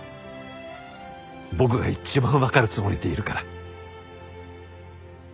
僕が一番わかるつもりでいるから。